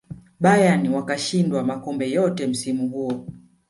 bayern wakashinda makombe yote msimu huo